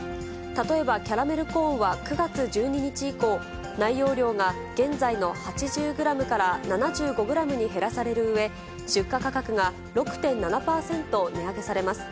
例えばキャラメルコーンは、９月１２日以降、内容量が現在の８０グラムから７５グラムに減らされるうえ、出荷価格が６．７％値上げされます。